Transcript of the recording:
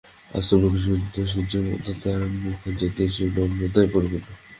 অস্তোন্মুখ সন্ধ্যাসূর্যের মতো তাঁর মুখের জ্যোতি নম্রতায় পরিপূর্ণ।